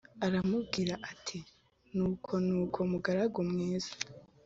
Aramubwira ati nuko nuko mugaragu mwiza